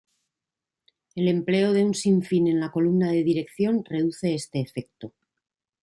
El empleo de un sin fin en la columna de dirección reduce este efecto.